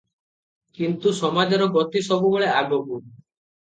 କିନ୍ତୁ ସମାଜର ଗତି ସବୁବେଳେ ଆଗକୁ ।